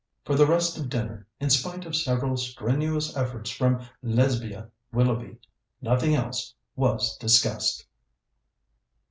For the rest of dinner, in spite of several strenuous efforts from Lesbia Willoughby, nothing else was discussed.